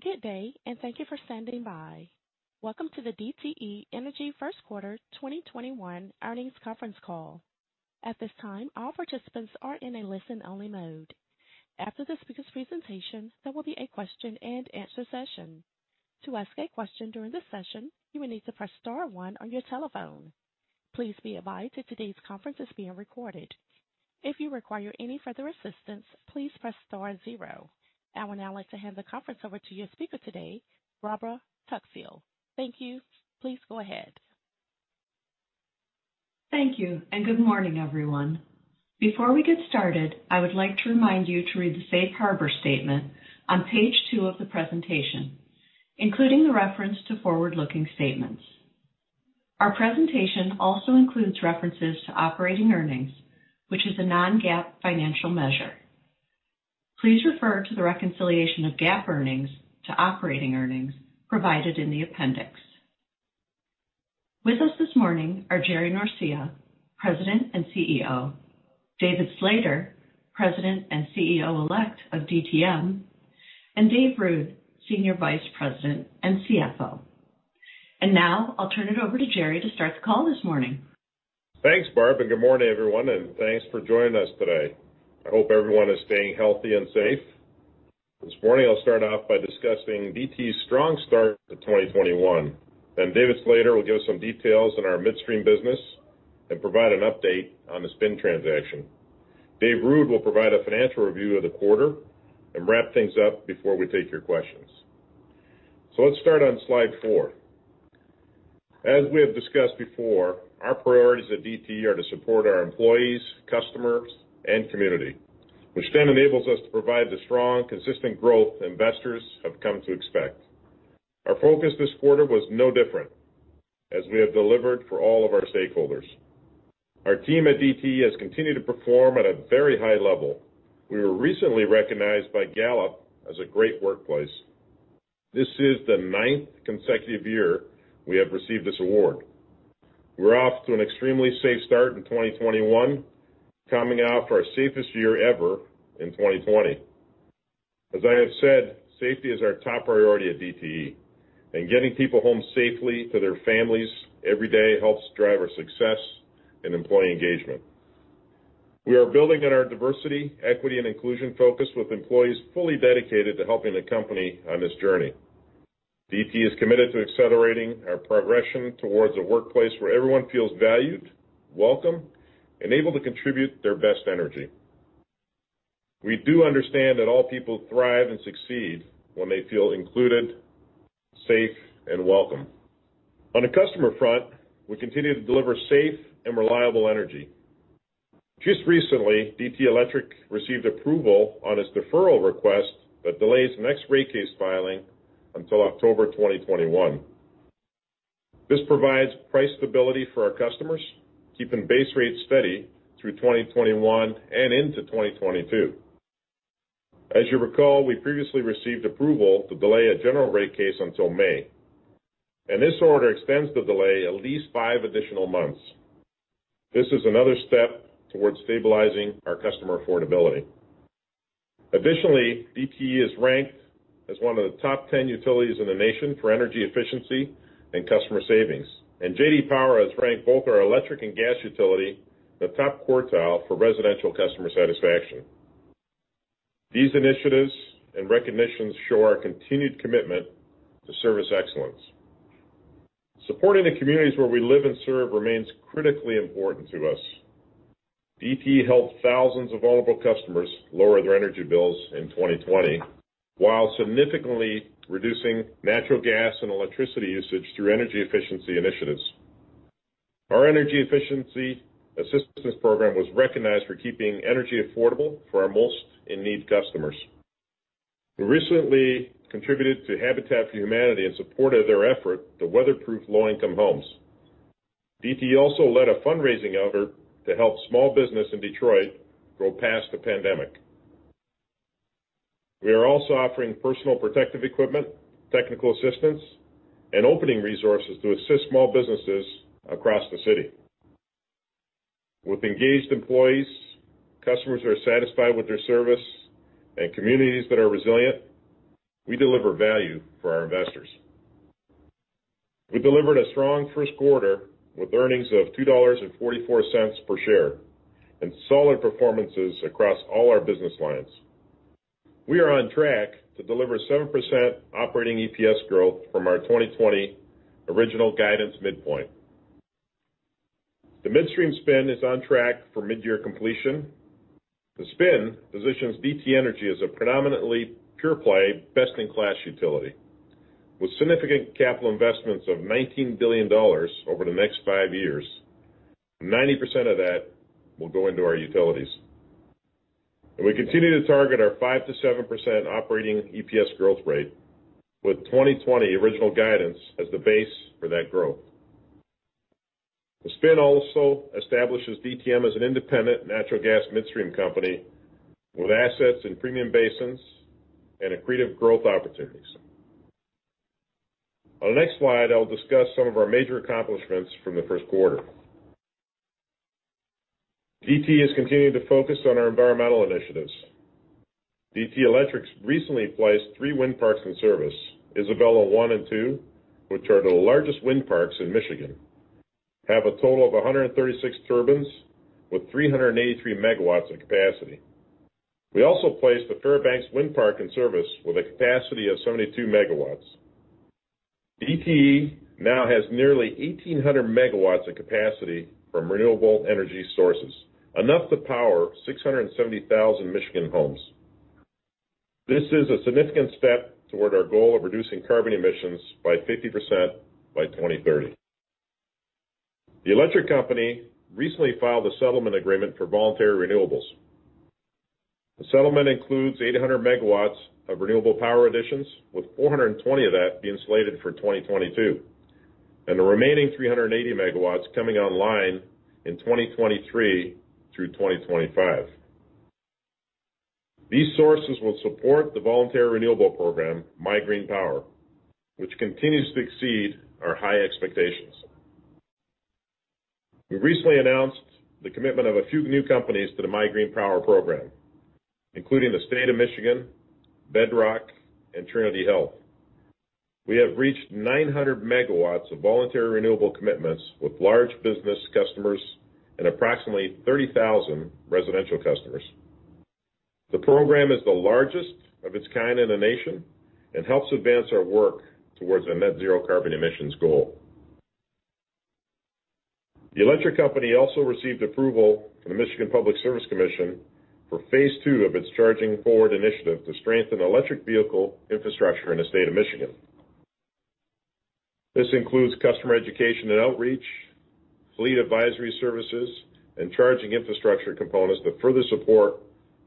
Good day, and thank you for standing by. Welcome to the DTE Energy first quarter 2021 earnings conference call. At this time, all participants are in a listen-only mode. After the speaker's presentation, there will be a question-and-answer session. To ask a question during this session, you will need to press star one on your telephone. Please be advised that today's conference is being recorded. If you require any further assistance, please press star zero. I would now like to hand the conference over to your speaker today, Barbara Tuckfield. Thank you. Please go ahead. Thank you, and good morning, everyone. Before we get started, I would like to remind you to read the Safe Harbor statement on page two of the presentation, including the reference to forward-looking statements. Our presentation also includes references to operating earnings, which is a non-GAAP financial measure. Please refer to the reconciliation of GAAP earnings to operating earnings provided in the appendix. With us this morning are Jerry Norcia, President and CEO, David Slater, President and CEO-elect of DTM, and Dave Ruud, Senior Vice President and CFO. Now, I'll turn it over to Jerry to start the call this morning. Thanks, Barb, and good morning, everyone, and thanks for joining us today. I hope everyone is staying healthy and safe. This morning I'll start off by discussing DTE's strong start to 2021. David Slater will give some details on our midstream business and provide an update on the spin transaction. Dave Ruud will provide a financial review of the quarter and wrap things up before we take your questions. Let's start on slide four. As we have discussed before, our priorities at DTE are to support our employees, customers, and community, which then enables us to provide the strong, consistent growth investors have come to expect. Our focus this quarter was no different, as we have delivered for all of our stakeholders. Our team at DTE has continued to perform at a very high level. We were recently recognized by Gallup as a great workplace. This is the ninth consecutive year we have received this award. We're off to an extremely safe start in 2021, coming off our safest year ever in 2020. As I have said, safety is our top priority at DTE, and getting people home safely to their families every day helps drive our success and employee engagement. We are building on our diversity, equity, and inclusion focus with employees fully dedicated to helping the company on this journey. DTE is committed to accelerating our progression towards a workplace where everyone feels valued, welcome, and able to contribute their best energy. We do understand that all people thrive and succeed when they feel included, safe, and welcome. On the customer front, we continue to deliver safe and reliable energy. Just recently, DTE Electric received approval on its deferral request that delays the next rate case filing until October 2021. This provides price stability for our customers, keeping base rates steady through 2021 and into 2022. As you recall, we previously received approval to delay a general rate case until May, and this order extends the delay at least five additional months. This is another step towards stabilizing our customer affordability. Additionally, DTE is ranked as one of the top 10 utilities in the nation for energy efficiency and customer savings, and J.D. Power has ranked both our electric and gas utility in the top quartile for residential customer satisfaction. These initiatives and recognitions show our continued commitment to service excellence. Supporting the communities where we live and serve remains critically important to us. DTE helped thousands of vulnerable customers lower their energy bills in 2020 while significantly reducing natural gas and electricity usage through energy efficiency initiatives. Our Energy Efficiency Assistance program was recognized for keeping energy affordable for our most in-need customers, who recently contributed to Habitat for Humanity in support of their effort to weatherproof low-income homes. DTE also led a fundraising effort to help small business in Detroit grow past the pandemic. We are also offering personal protective equipment, technical assistance, and opening resources to assist small businesses across the city. With engaged employees, customers who are satisfied with their service, and communities that are resilient, we deliver value for our investors. We delivered a strong first quarter, with earnings of $2.44 per share and solid performances across all our business lines. We are on track to deliver 7% operating EPS growth from our 2020 original guidance midpoint. The midstream spin is on track for mid-year completion. The spin positions DTE Energy as a predominantly pure-play, best-in-class utility with significant capital investments of $19 billion over the next five years. 90% of that will go into our utilities. We continue to target our 5%-7% operating EPS growth rate, with 2020 original guidance as the base for that growth. The spin also establishes DTM as an independent natural gas midstream company with assets in premium basins and accretive growth opportunities. On the next slide, I will discuss some of our major accomplishments from the first quarter. DTE is continuing to focus on our environmental initiatives. DTE Electric recently placed three wind farms in service. Isabella I and II, which are the largest wind farms in Michigan, have a total of 136 turbines with 383 MW of capacity. We also placed the Fairbanks Wind Farm in service with a capacity of 72 MW. DTE now has nearly 1,800 MW of capacity from renewable energy sources, enough to power 670,000 Michigan homes. This is a significant step toward our goal of reducing carbon emissions by 50% by 2030. The electric company recently filed a settlement agreement for voluntary renewables. The settlement includes 800 MW of renewable power additions, with 420 MW of that being slated for 2022, and the remaining 380 MW coming online in 2023 through 2025. These sources will support the voluntary renewable program, MIGreenPower, which continues to exceed our high expectations. We recently announced the commitment of a few new companies to the MIGreenPower program, including the State of Michigan, Bedrock, and Trinity Health. We have reached 900 MW of voluntary renewable commitments with large business customers and approximately 30,000 residential customers. The program is the largest of its kind in the nation and helps advance our work towards a net zero carbon emissions goal. The electric company also received approval from the Michigan Public Service Commission for Phase 2 of its Charging Forward initiative to strengthen electric vehicle infrastructure in the state of Michigan. This includes customer education and outreach, fleet advisory services, and charging infrastructure components that further support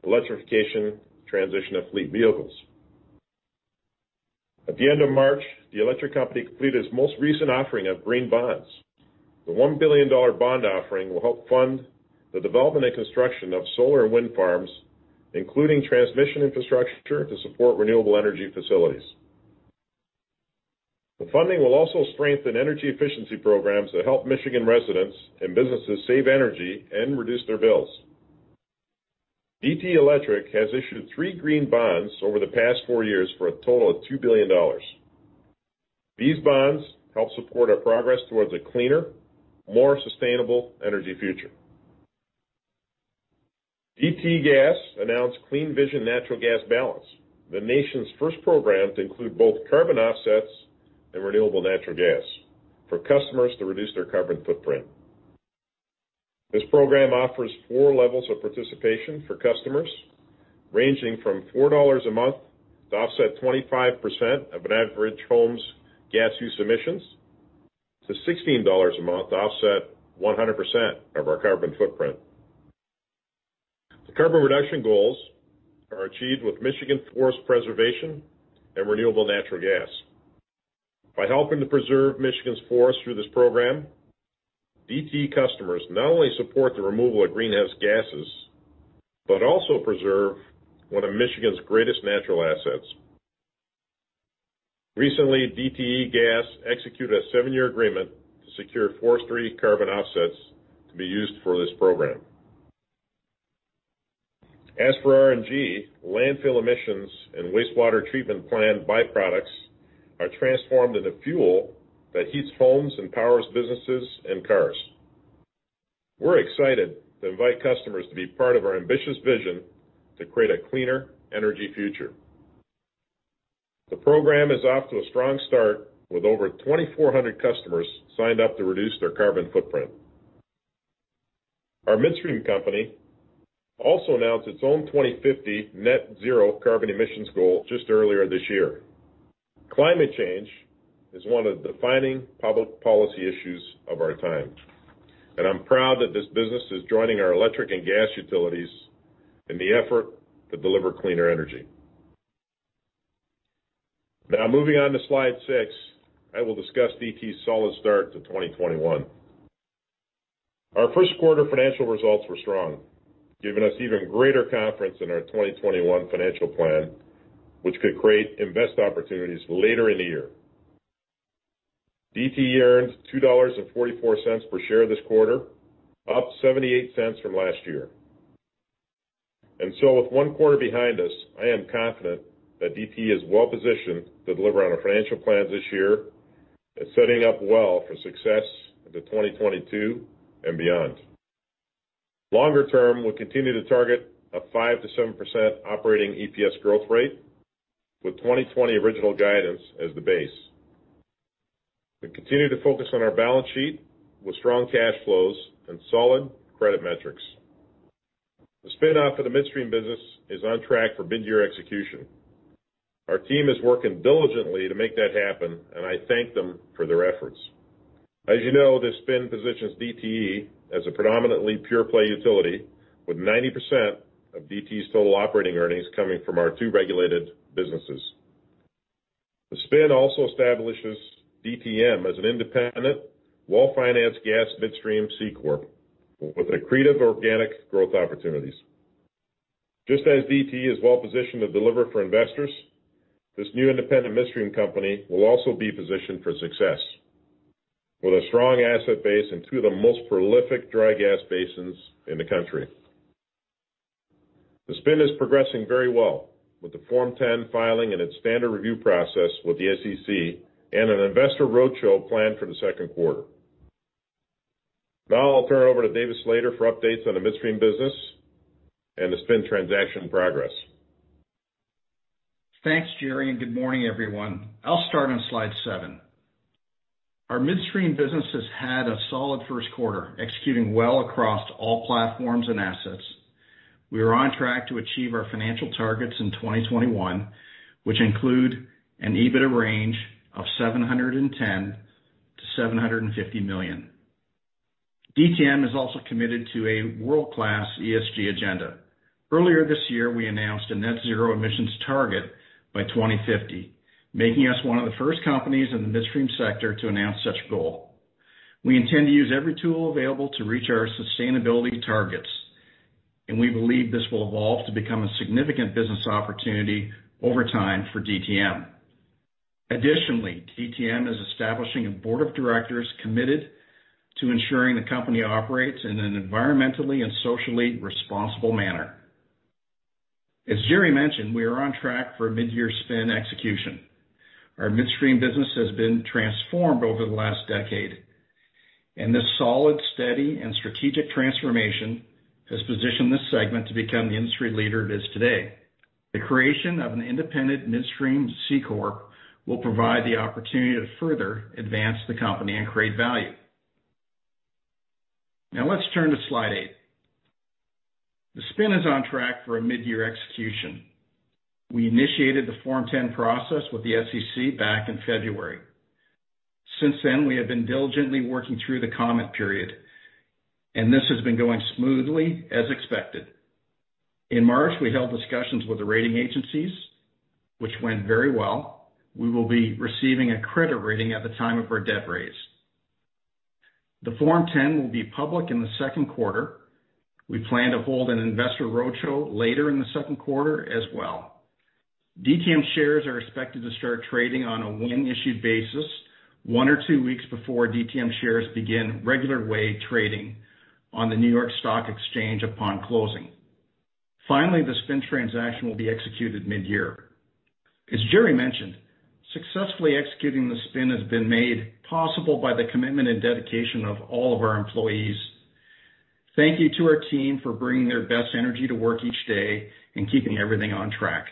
electrification transition of fleet vehicles. At the end of March, the electric company completed its most recent offering of green bonds. The $1 billion bond offering will help fund the development and construction of solar and wind farms, including transmission infrastructure to support renewable energy facilities. The funding will also strengthen energy efficiency programs that help Michigan residents and businesses save energy and reduce their bills. DTE Electric has issued three green bonds over the past four years for a total of $2 billion. These bonds help support our progress towards a cleaner, more sustainable energy future. DTE Gas announced CleanVision Natural Gas Balance, the nation's first program to include both carbon offsets and renewable natural gas for customers to reduce their carbon footprint. This program offers four levels of participation for customers, ranging from $4 a month to offset 25% of an average home's gas use emissions to $16 a month to offset 100% of our carbon footprint. The carbon reduction goals are achieved with Michigan forest preservation and renewable natural gas. By helping to preserve Michigan's forests through this program, DTE customers not only support the removal of greenhouse gases, but also preserve one of Michigan's greatest natural assets. Recently, DTE Gas executed a seven-year agreement to secure forestry carbon offsets to be used for this program. As for RNG, landfill emissions and wastewater treatment plant byproducts are transformed into fuel that heats homes and powers businesses and cars. We're excited to invite customers to be part of our ambitious vision to create a cleaner energy future. The program is off to a strong start with over 2,400 customers signed up to reduce their carbon footprint. Our midstream company also announced its own 2050 net zero carbon emissions goal just earlier this year. Climate change is one of the defining public policy issues of our time, and I'm proud that this business is joining our electric and gas utilities in the effort to deliver cleaner energy. Now moving on to slide six, I will discuss DTE's solid start to 2021. Our first quarter financial results were strong, giving us even greater confidence in our 2021 financial plan, which could create investment opportunities later in the year. DTE earned $2.44 per share this quarter, up $0.78 from last year. With one quarter behind us, I am confident that DTE is well-positioned to deliver on our financial plans this year and setting up well for success into 2022 and beyond. Longer term, we'll continue to target a 5%-7% operating EPS growth rate with 2020 original guidance as the base. We continue to focus on our balance sheet with strong cash flows and solid credit metrics. The spin-off of DT Midstream is on track for midyear execution. Our team is working diligently to make that happen, and I thank them for their efforts. As you know, this spin positions DTE as a predominantly pure-play utility, with 90% of DTE's total operating earnings coming from our two regulated businesses. The spin also establishes DTM as an independent, well-financed gas midstream C-corp with accretive organic growth opportunities. Just as DTE is well-positioned to deliver for investors, this new independent midstream company will also be positioned for success with a strong asset base in two of the most prolific dry gas basins in the country. The spin is progressing very well with the Form 10 filing and its standard review process with the SEC, and an investor roadshow planned for the second quarter. Now I'll turn it over to David Slater for updates on the midstream business and the spin transaction progress. Thanks, Jerry. Good morning, everyone. I'll start on slide seven. Our midstream business has had a solid first quarter, executing well across all platforms and assets. We are on track to achieve our financial targets in 2021, which include an EBITDA range of $710 million-$750 million. DTM is also committed to a world-class ESG agenda. Earlier this year, we announced a net zero emissions target by 2050, making us one of the first companies in the midstream sector to announce such goal. We intend to use every tool available to reach our sustainability targets. We believe this will evolve to become a significant business opportunity over time for DTM. Additionally, DTM is establishing a board of directors committed to ensuring the company operates in an environmentally and socially responsible manner. As Jerry mentioned, we are on track for a midyear spin execution. Our midstream business has been transformed over the last decade. This solid, steady, and strategic transformation has positioned this segment to become the industry leader it is today. The creation of an independent midstream C-corp will provide the opportunity to further advance the company and create value. Now let's turn to slide eight. The spin is on track for a midyear execution. We initiated the Form 10 process with the SEC back in February. Since then, we have been diligently working through the comment period, and this has been going smoothly as expected. In March, we held discussions with the rating agencies, which went very well. We will be receiving a credit rating at the time of our debt raise. The Form 10 will be public in the second quarter. We plan to hold an investor roadshow later in the second quarter as well. DTM shares are expected to start trading on a when-issued basis one or two weeks before DTM shares begin regular-way trading on the New York Stock Exchange upon closing. Finally, the spin transaction will be executed midyear. As Jerry mentioned, successfully executing the spin has been made possible by the commitment and dedication of all of our employees. Thank you to our team for bringing their best energy to work each day and keeping everything on track.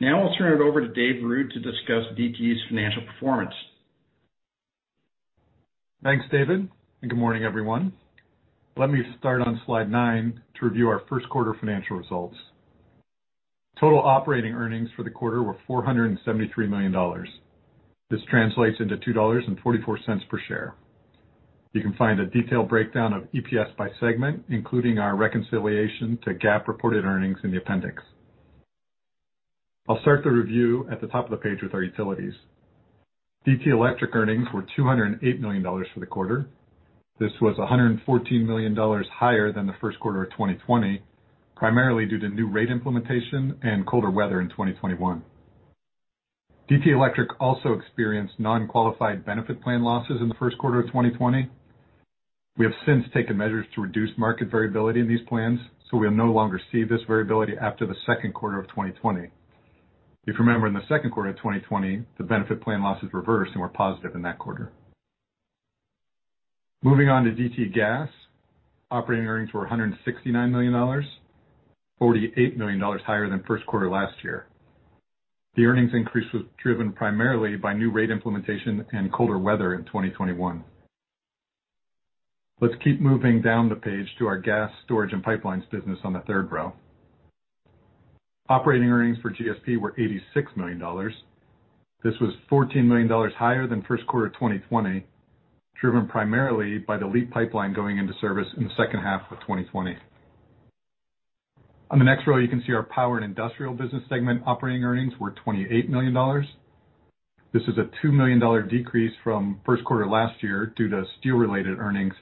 Now I'll turn it over to Dave Ruud to discuss DTE's financial performance. Thanks, David. Good morning, everyone. Let me start on slide nine to review our first quarter financial results. Total operating earnings for the quarter were $473 million. This translates into $2.44 per share. You can find a detailed breakdown of EPS by segment, including our reconciliation to GAAP reported earnings in the appendix. I'll start the review at the top of the page with our utilities. DTE Electric earnings were $208 million for the quarter. This was $114 million higher than the first quarter of 2020, primarily due to new rate implementation and colder weather in 2021. DTE Electric also experienced non-qualified benefit plan losses in the first quarter of 2020. We have since taken measures to reduce market variability in these plans. We'll no longer see this variability after the second quarter of 2020. If you remember, in the second quarter of 2020, the benefit plan losses reversed and were positive in that quarter. Moving on to DTE Gas, operating earnings were $169 million, $48 million higher than first quarter last year. The earnings increase was driven primarily by new rate implementation and colder weather in 2021. Let's keep moving down the page to our Gas Storage and Pipelines business on the third row. Operating earnings for GS&P were $86 million. This was $14 million higher than first quarter 2020, driven primarily by the LEAP pipeline going into service in the second half of 2020. On the next row, you can see our Power and Industrial business segment operating earnings were $28 million. This is a $2 million decrease from first quarter last year due to steel-related earnings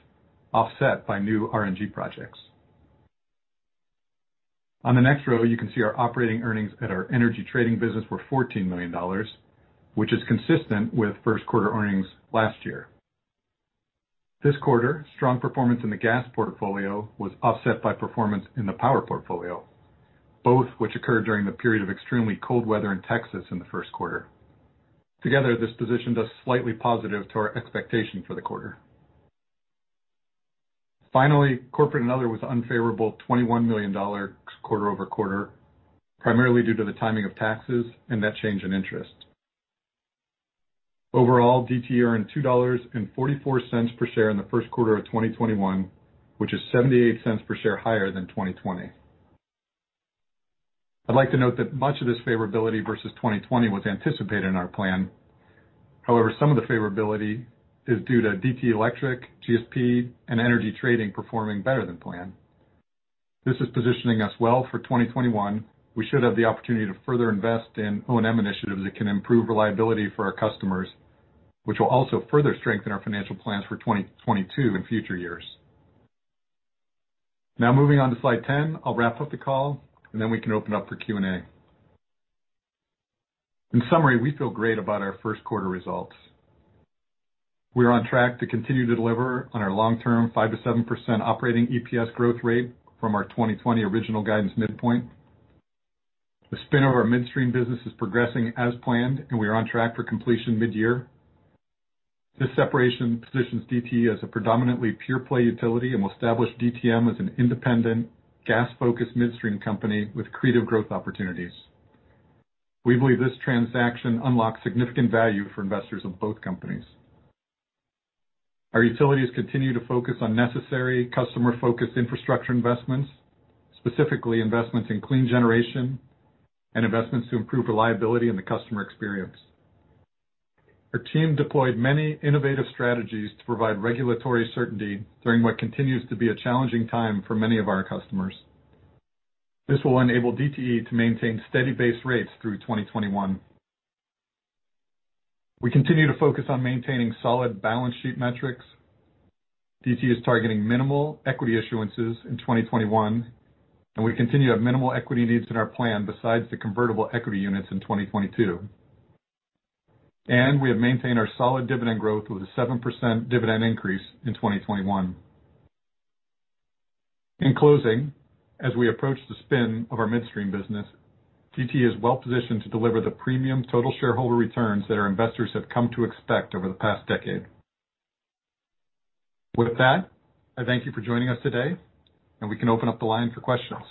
offset by new RNG projects. On the next row, you can see our operating earnings at our energy trading business were $14 million, which is consistent with first-quarter earnings last year. This quarter, strong performance in the gas portfolio was offset by performance in the power portfolio, both which occurred during the period of extremely cold weather in Texas in the first quarter. This positioned us slightly positive to our expectation for the quarter. Finally, corporate and other was unfavorable $21 million quarter-over-quarter, primarily due to the timing of taxes and net change in interest. Overall, DTE earned $2.44 per share in the first quarter of 2021, which is $0.78 per share higher than 2020. I'd like to note that much of this favorability versus 2020 was anticipated in our plan. However, some of the favorability is due to DTE Electric, GS&P, and energy trading performing better than planned. This is positioning us well for 2021. We should have the opportunity to further invest in O&M initiatives that can improve reliability for our customers which will also further strengthen our financial plans for 2022 and future years. Moving on to slide 10, I'll wrap up the call and then we can open up for Q&A. In summary, we feel great about our first quarter results. We are on track to continue to deliver on our long-term 5%-7% operating EPS growth rate from our 2020 original guidance midpoint. The spin of our midstream business is progressing as planned, and we are on track for completion mid-year. This separation positions DTE as a predominantly pure-play utility and will establish DTM as an independent gas-focused midstream company with accretive growth opportunities. We believe this transaction unlocks significant value for investors of both companies. Our utilities continue to focus on necessary customer-focused infrastructure investments, specifically investments in clean generation and investments to improve reliability in the customer experience. Our team deployed many innovative strategies to provide regulatory certainty during what continues to be a challenging time for many of our customers. This will enable DTE to maintain steady base rates through 2021. We continue to focus on maintaining solid balance sheet metrics. DTE is targeting minimal equity issuances in 2021. We continue to have minimal equity needs in our plan besides the convertible equity units in 2022. We have maintained our solid dividend growth with a 7% dividend increase in 2021. In closing, as we approach the spin of our midstream business, DTE is well-positioned to deliver the premium total shareholder returns that our investors have come to expect over the past decade. With that, I thank you for joining us today, and we can open up the line for questions.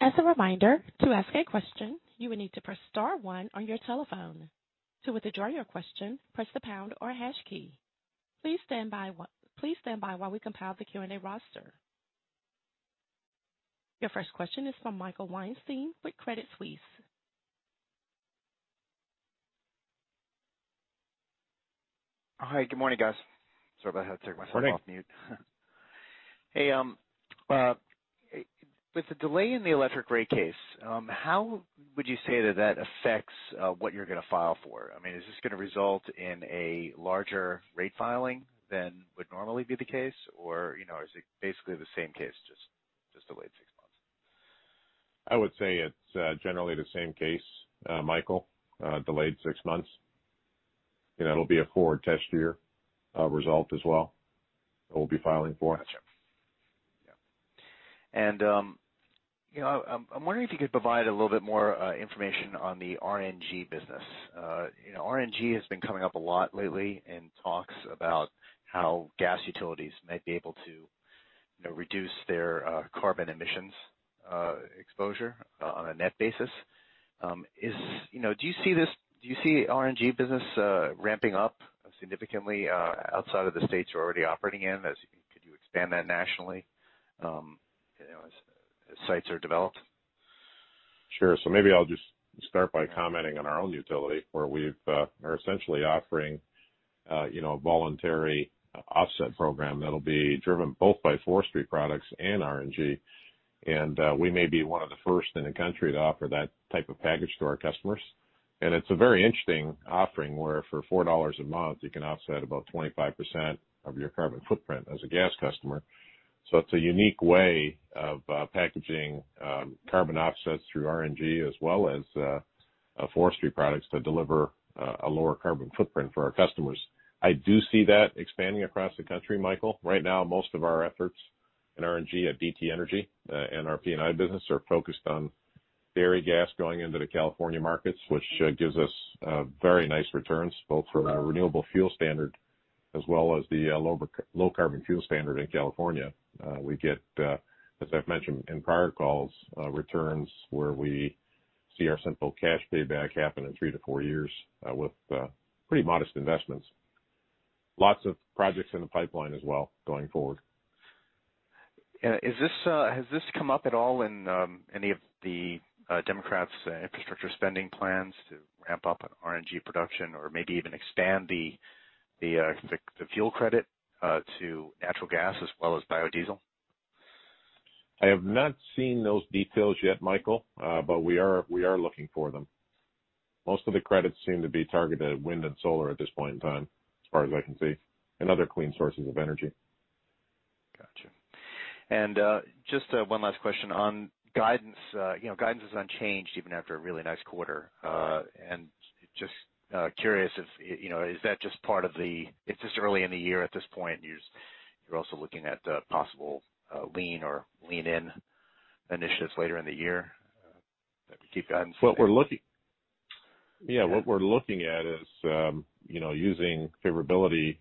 As a reminder, to ask a question, you may need to press star one on your telephone. To withdraw your question, press the pound or hash key. Please stand by while we compile the Q&A roster. Your first question is from Michael Weinstein with Credit Suisse. Hi, good morning, guys. Sorry about that, taking myself off mute. Hey, with the delay in the electric rate case, how would you say that affects what you're going to file for? Is this going to result in a larger rate filing than would normally be the case? Or is it basically the same case, just delayed six months? I would say it's generally the same case, Michael, delayed six months. It'll be a forward test year result as well that we'll be filing for. Got you. Yeah. I'm wondering if you could provide a little bit more information on the RNG business. RNG has been coming up a lot lately in talks about how gas utilities might be able to reduce their carbon emissions exposure on a net basis. Do you see RNG business ramping up significantly outside of the states you're already operating in, could you expand that nationally as sites are developed? Sure. Maybe I'll just start by commenting on our own utility, where we are essentially offering a voluntary offset program that'll be driven both by forestry products and RNG, and we may be one of the first in the country to offer that type of package to our customers. It's a very interesting offering, where for $4 a month, you can offset about 25% of your carbon footprint as a gas customer. It's a unique way of packaging carbon offsets through RNG as well as forestry products to deliver a lower carbon footprint for our customers. I do see that expanding across the country, Michael. Right now, most of our efforts in RNG at DTE Energy, and our P&I business are focused on dairy gas going into the California markets, which gives us very nice returns, both from a Renewable Fuel Standard as well as the Low Carbon Fuel Standard in California. We get, as I've mentioned in prior calls, returns where we see our simple cash payback happen in three to four years, with pretty modest investments. Lots of projects in the pipeline as well going forward. Has this come up at all in any of the Democrats' infrastructure spending plans to ramp up RNG production or maybe even expand the fuel credit to natural gas as well as biodiesel? I have not seen those details yet, Michael. We are looking for them. Most of the credits seem to be targeted at wind and solar at this point in time, as far as I can see, and other clean sources of energy. Got you. Just one last question on guidance. Guidance is unchanged even after a really nice quarter. Just curious, is that just part of the, it's just early in the year at this point, and you're also looking at possible lean or lean in initiatives later in the year that could keep guidance unchanged? Yeah, what we're looking at is using favorability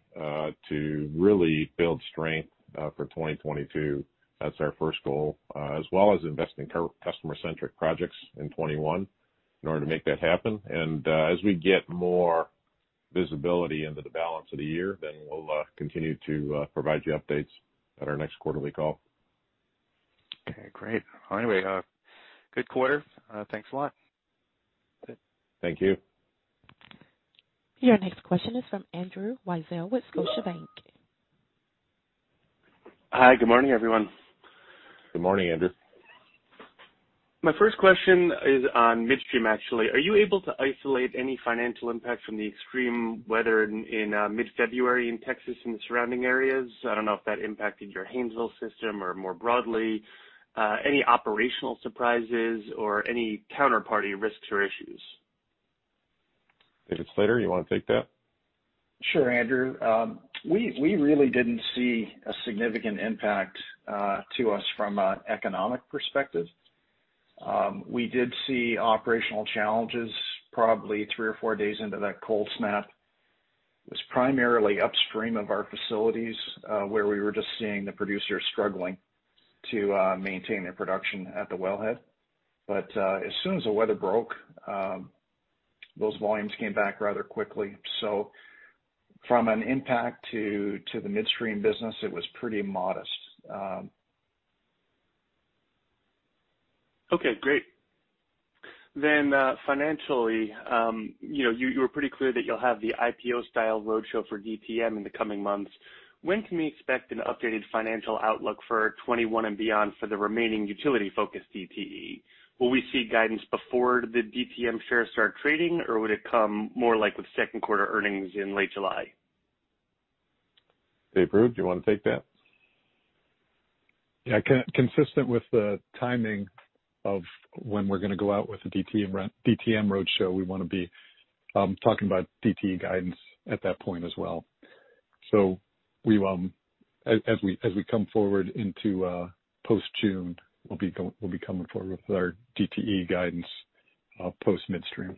to really build strength for 2022. That's our first goal, as well as investing customer-centric projects in 2021 in order to make that happen. As we get more visibility into the balance of the year, we'll continue to provide you updates at our next quarterly call. Okay, great. Anyway, good quarter. Thanks a lot. Thank you. Your next question is from Andrew Weisel with Scotiabank. Hi. Good morning, everyone. Good morning, Andrew. My first question is on midstream, actually. Are you able to isolate any financial impact from the extreme weather in mid-February in Texas and the surrounding areas? I don't know if that impacted your Haynesville system or more broadly, any operational surprises or any counterparty risks or issues. David Slater, you want to take that? Sure, Andrew. We really didn't see a significant impact to us from an economic perspective. We did see operational challenges probably three or four days into that cold snap. It was primarily upstream of our facilities, where we were just seeing the producers struggling to maintain their production at the wellhead. As soon as the weather broke, those volumes came back rather quickly. From an impact to the midstream business, it was pretty modest. Okay, great. Financially, you were pretty clear that you'll have the IPO-style roadshow for DTM in the coming months. When can we expect an updated financial outlook for 2021 and beyond for the remaining utility-focused DTE? Will we see guidance before the DTM shares start trading, or would it come more like with second quarter earnings in late July? Dave Ruud, do you want to take that? Yeah. Consistent with the timing of when we're going to go out with the DTM roadshow, we want to be talking about DTE guidance at that point as well. As we come forward into post-June, we'll be coming forward with our DTE guidance post midstream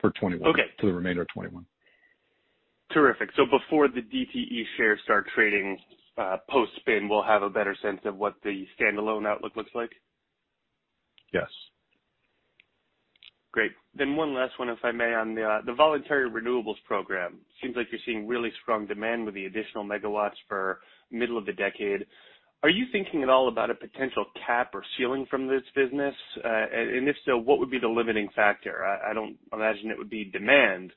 for the remainder of 2021. Terrific. Before the DTE shares start trading, post-spin, we'll have a better sense of what the standalone outlook looks like? Yes. Great. One last one, if I may, on the voluntary renewables program. Seems like you're seeing really strong demand with the additional megawatts for middle of the decade. Are you thinking at all about a potential cap or ceiling from this business? If so, what would be the limiting factor? I don't imagine it would be demand.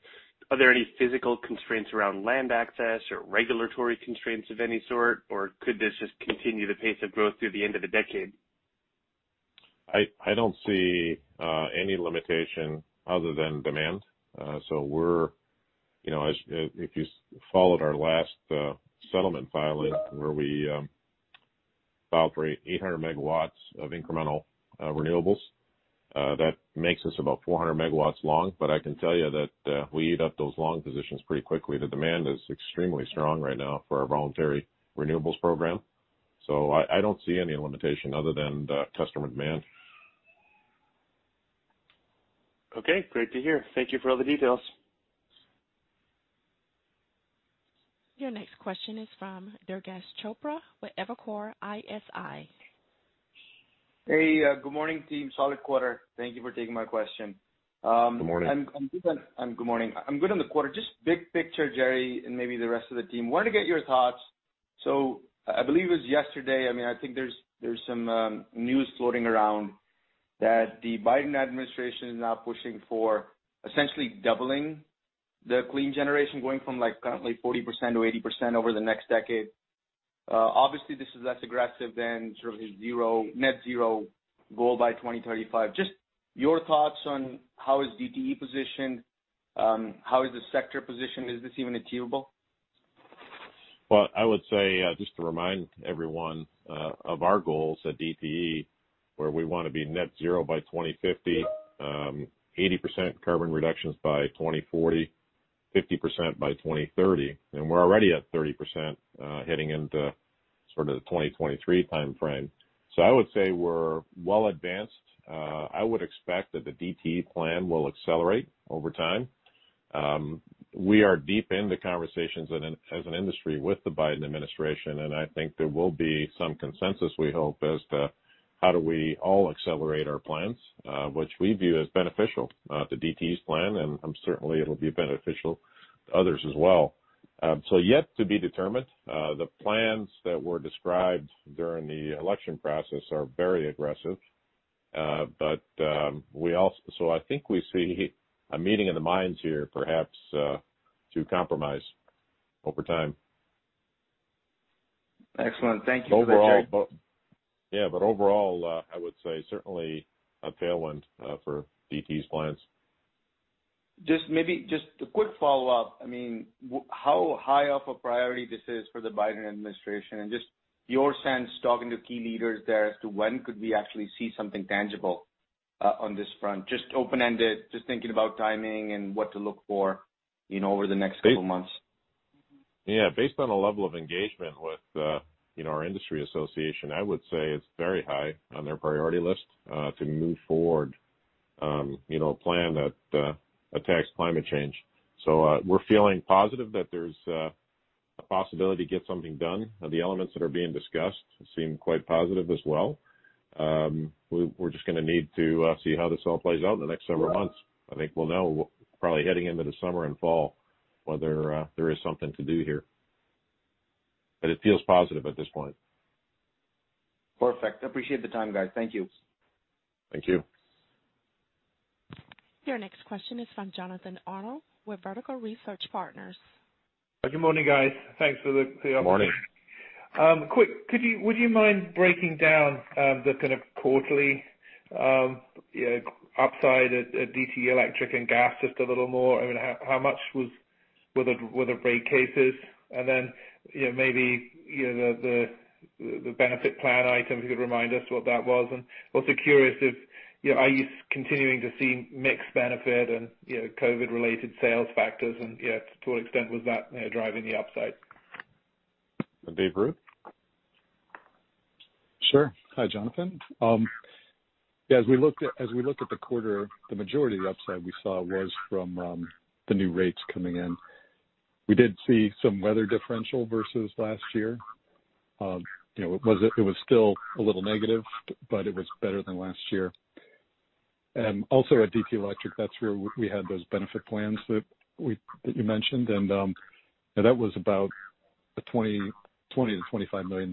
Are there any physical constraints around land access or regulatory constraints of any sort, or could this just continue the pace of growth through the end of the decade? I don't see any limitation other than demand. If you followed our last settlement filing, where we filed for 800 MW of incremental renewables, that makes us about 400 MW long. I can tell you that we eat up those long positions pretty quickly. The demand is extremely strong right now for our voluntary renewables program. I don't see any limitation other than customer demand. Okay. Great to hear. Thank you for all the details. Your next question is from Durgesh Chopra with Evercore ISI. Hey, good morning, team. Solid quarter. Thank you for taking my question. Good morning. Good morning. I'm good on the quarter. Just big picture, Jerry, and maybe the rest of the team. Wanted to get your thoughts. I believe it was yesterday, I think there's some news floating around that the Biden administration is now pushing for essentially doubling the clean generation, going from currently 40%-80% over the next decade. Obviously, this is less aggressive than sort of his net zero goal by 2035. Just your thoughts on how is DTE positioned, how is the sector positioned? Is this even achievable? Well, I would say, just to remind everyone of our goals at DTE, where we want to be net zero by 2050, 80% carbon reductions by 2040, 50% by 2030. We're already at 30% heading into sort of the 2023 timeframe. I would say we're well advanced. I would expect that the DTE plan will accelerate over time. We are deep into conversations as an industry with the Biden administration, and I think there will be some consensus, we hope, as to how do we all accelerate our plans, which we view as beneficial to DTE's plan, and certainly it'll be beneficial to others as well. Yet to be determined. The plans that were described during the election process are very aggressive. I think we see a meeting of the minds here, perhaps to compromise over time. Excellent. Thank you for that, Jerry. Overall, I would say certainly a tailwind for DTE's plans. Just a quick follow-up. How high of a priority this is for the Biden administration and just your sense talking to key leaders there as to when could we actually see something tangible on this front? Just open-ended, just thinking about timing and what to look for over the next couple of months. Yeah. Based on the level of engagement with our industry association, I would say it's very high on their priority list to move forward a plan that attacks climate change. We're feeling positive that there's a possibility to get something done. The elements that are being discussed seem quite positive as well. We're just going to need to see how this all plays out in the next several months. I think we'll know probably heading into the summer and fall whether there is something to do here. It feels positive at this point. Perfect. Appreciate the time, guys. Thank you. Thank you. Your next question is from Jonathan Arnold with Vertical Research Partners. Good morning, guys. Thanks for the opportunity. Good morning. Quick, would you mind breaking down the kind of quarterly upside at DTE Electric Company and DTE Gas Company just a little more? How much were the rate cases? Maybe the benefit plan item, if you could remind us what that was. Curious, are you continuing to see mixed benefit and COVID-related sales factors and, yeah, to what extent was that driving the upside? Dave Ruud? Sure. Hi, Jonathan. Yeah, as we look at the quarter, the majority of the upside we saw was from the new rates coming in. We did see some weather differential versus last year. It was still a little negative. It was better than last year. Also at DTE Electric, that's where we had those benefit plans that you mentioned. That was about a $20 million-$25 million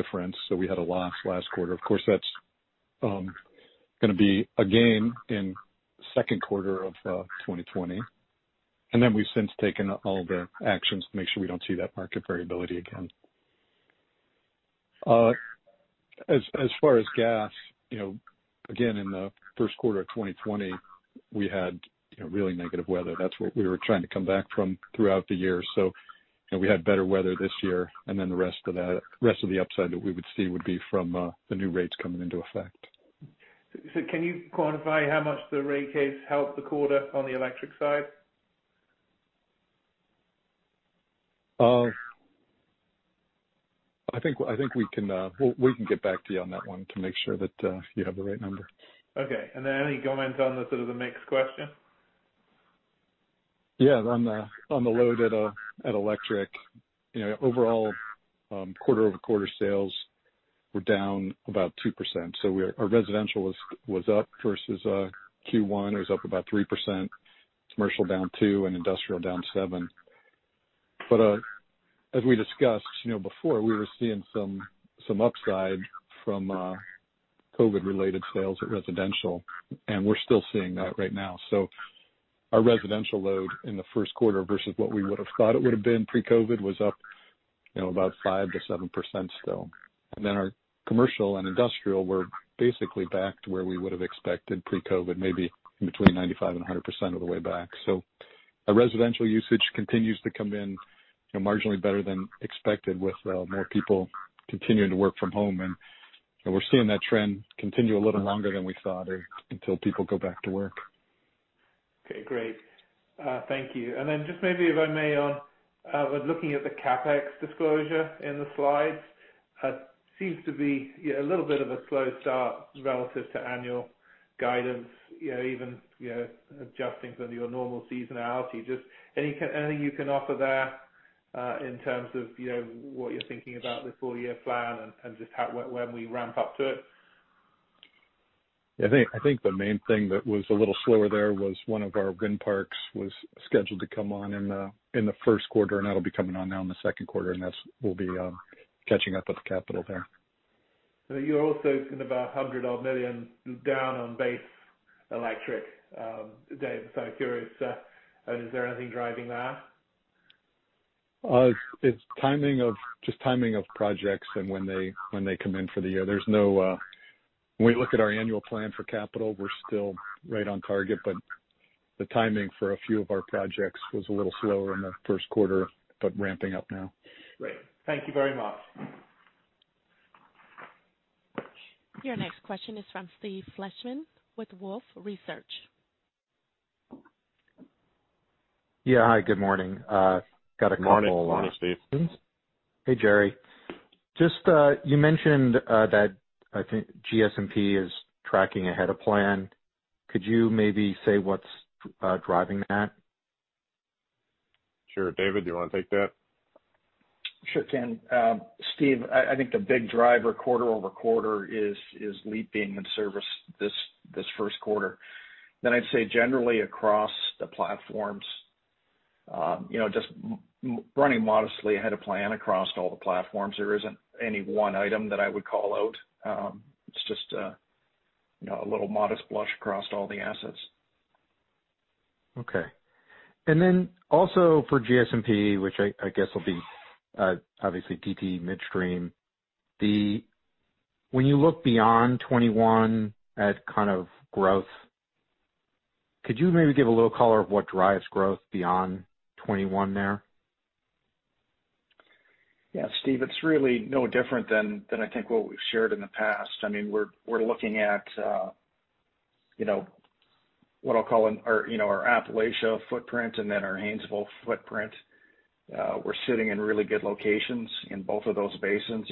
difference. We had a loss last quarter. Of course, that's going to be a gain in second quarter of 2020. We've since taken all the actions to make sure we don't see that market variability again. As far as gas, again, in the first quarter of 2020, we had really negative weather. That's what we were trying to come back from throughout the year. We had better weather this year, and then the rest of the upside that we would see would be from the new rates coming into effect. Can you quantify how much the rate case helped the quarter on the electric side? I think we can get back to you on that one to make sure that you have the right number. Okay. Any comments on the sort of the mix question? On the load at Electric, overall quarter-over-quarter sales were down about 2%. Our residential was up versus Q1. It was up about 3%, commercial down 2%, and industrial down 7%. As we discussed before, we were seeing some upside from COVID-related sales at residential, and we're still seeing that right now. Our residential load in the first quarter versus what we would've thought it would've been pre-COVID was up about 5%-7% still. Our commercial and industrial were basically back to where we would've expected pre-COVID, maybe in between 95% and 100% of the way back. Our residential usage continues to come in marginally better than expected with more people continuing to work from home, and we're seeing that trend continue a little longer than we thought or until people go back to work. Okay, great. Thank you. Just maybe if I may, with looking at the CapEx disclosure in the slides, seems to be a little bit of a slow start relative to annual guidance, even adjusting for your normal seasonality. Just anything you can offer there, in terms of what you're thinking about the full-year plan and just when we ramp up to it? I think the main thing that was a little slower there was one of our green parks was scheduled to come on in the first quarter. That'll be coming on now in the second quarter. That will be catching up with capital there. You're also seeing about $100 million odd down on base electric, Dave. Curious, is there anything driving that? It's just timing of projects and when they come in for the year. When we look at our annual plan for capital, we're still right on target, but the timing for a few of our projects was a little slower in the first quarter, but ramping up now. Great. Thank you very much. Your next question is from Steve Fleishman with Wolfe Research. Yeah, hi, good morning. Morning, Steve. Hey, Jerry. Just you mentioned that I think GS&P is tracking ahead of plan. Could you maybe say what's driving that? Sure. David, do you want to take that? Sure can. Steve, I think the big driver quarter-over-quarter is LEAP being in service this first quarter. I'd say generally across the platforms, just running modestly ahead of plan across all the platforms. There isn't any one item that I would call out. It's just a little modest blush across all the assets. Okay. Also for GS&P, which I guess will be obviously DT Midstream, when you look beyond 2021 at kind of growth, could you maybe give a little color of what drives growth beyond 2021 there? Yeah, Steve, it's really no different than I think what we've shared in the past. We're looking at what I'll call our Appalachia footprint and then our Haynesville footprint. We're sitting in really good locations in both of those basins,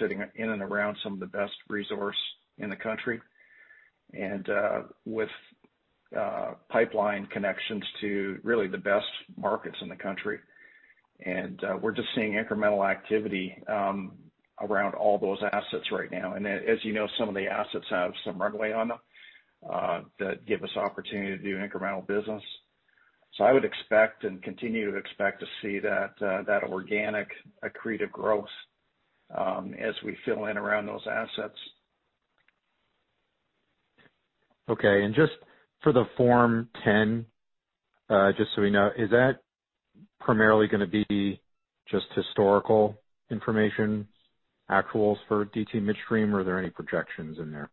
sitting in and around some of the best resource in the country and with pipeline connections to really the best markets in the country. We're just seeing incremental activity around all those assets right now. As you know, some of the assets have some runway on them that give us opportunity to do incremental business. I would expect and continue to expect to see that organic accretive growth as we fill in around those assets. Okay. Just for the Form 10, just so we know, is that primarily going to be just historical information, actuals for DT Midstream, or are there any projections in there?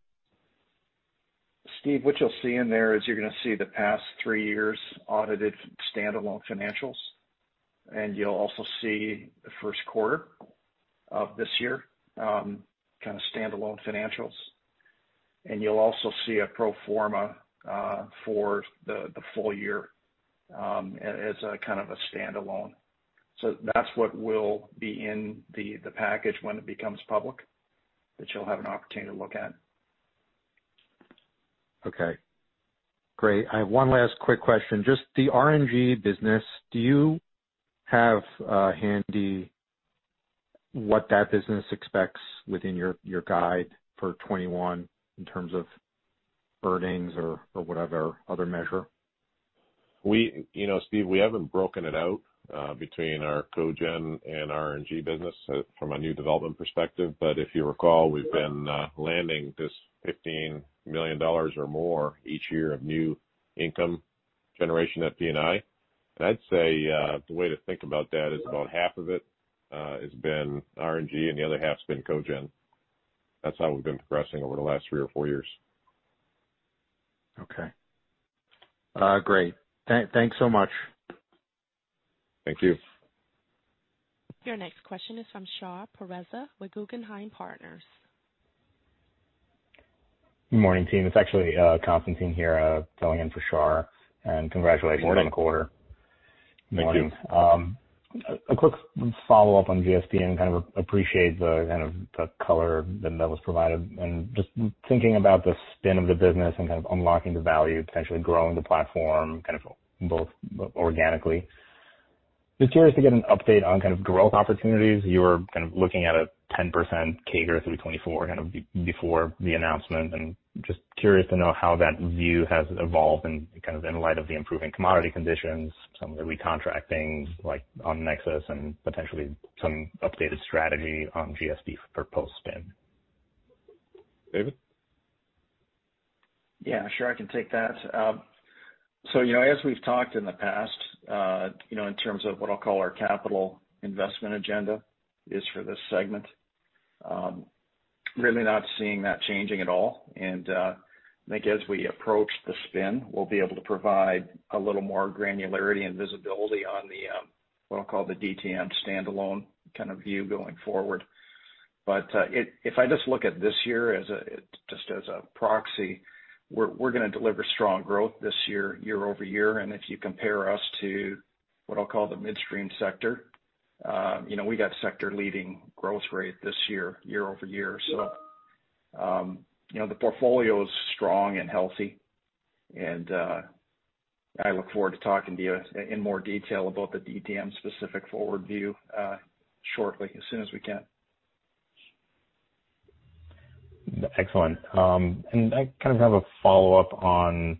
Steve, what you'll see in there is you're going to see the past three years audited standalone financials, and you'll also see the first quarter of this year standalone financials. You'll also see a pro forma for the full year as a standalone. That's what will be in the package when it becomes public that you'll have an opportunity to look at. Okay, great. I have one last quick question. Just the RNG business, do you have handy what that business expects within your guide for 2021 in terms of earnings or whatever other measure? Steve, we haven't broken it out between our cogen and RNG business from a new development perspective. If you recall, we've been landing this $15 million or more each year of new income generation at P&I. I'd say the way to think about that is about half of it has been RNG and the other half's been cogen. That's how we've been progressing over the last three or four years. Okay. Great. Thanks so much. Thank you. Your next question is from Shar Pourreza with Guggenheim Partners. Good morning, team. It's actually Constantine here filling in for Shar. Morning. Congratulations on the quarter. Thank you. Morning. A quick follow-up on GS&P and appreciate the color that was provided and just thinking about the spin of the business and unlocking the value, potentially growing the platform, both organically. Just curious to get an update on growth opportunities. You were looking at a 10% CAGR through 2024, before the announcement, and just curious to know how that view has evolved in light of the improving commodity conditions, some of the recontracting, like on NEXUS and potentially some updated strategy on GS&P for post-spin. David? Yeah, sure. I can take that. As we've talked in the past, in terms of what I'll call our capital investment agenda is for this segment. Really not seeing that changing at all. I think as we approach the spin, we'll be able to provide a little more granularity and visibility on the, what I'll call the DTM standalone kind of view going forward. If I just look at this year just as a proxy, we're going to deliver strong growth this year-over-year. If you compare us to what I'll call the midstream sector, we got sector-leading growth rate this year-over-year. The portfolio is strong and healthy, and I look forward to talking to you in more detail about the DTM specific forward view shortly, as soon as we can. Excellent. I kind of have a follow-up on,